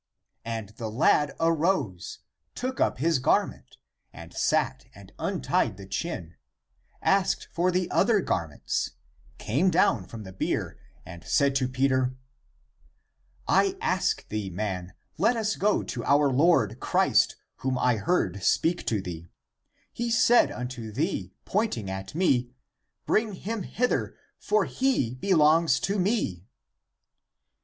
And the lad arose, took up his garment, and sat and untied the chin, asked for the other garments, came down from the bier, and said to Peter, " I ask thee, man, let us go to our Lord Christ, whom I heard speak to thee; he said unto thee, pointing at me. Bring him hither, for he be longs to me."